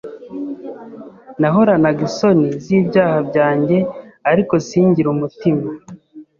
nahoranaga isoni z’ibyaha byanjye ariko singire umutima